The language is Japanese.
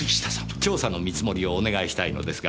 調査の見積もりをお願いしたいのですが。